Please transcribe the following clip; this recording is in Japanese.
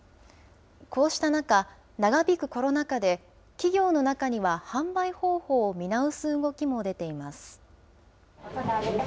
こうした中、長引くコロナ禍で、企業の中には販売方法を見直す動きも出ています。